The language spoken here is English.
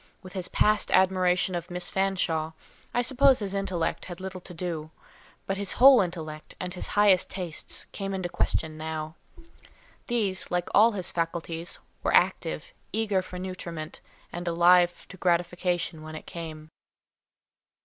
With his past admiration of Miss Fanshawe, I suppose his intellect had little to do, but his whole intellect, and his highest tastes, came in question now. These, like all his faculties, were active, eager for nutriment, and alive to gratification when it came.